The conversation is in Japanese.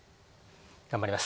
頑張ります。